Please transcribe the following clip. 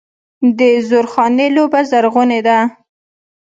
د زورخانې لوبه لرغونې ده.